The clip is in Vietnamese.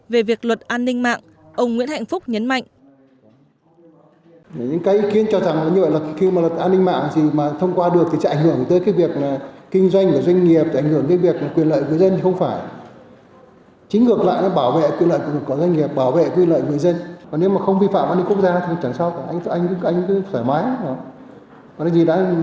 về việc luật an ninh mạng